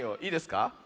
いいですか？